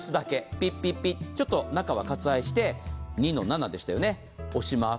ピッピッピ中は割愛して２の７ですよね、押します。